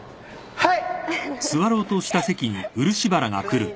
はい。